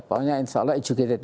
pokoknya insya allah educated